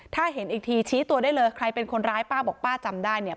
ถ้าเห็นอีกทีชี้ตัวได้เลยใครเป็นคนร้ายป้าบอกป้าจำได้เนี่ย